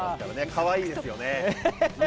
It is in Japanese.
かわいいですよね。